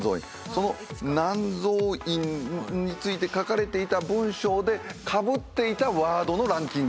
その南蔵院について書かれていた文章でかぶっていたワードのランキングもちょっと１回見ていこうと。